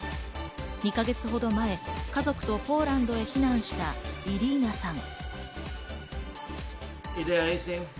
２か月ほど前、家族とポーランドへ避難したイリーナさん。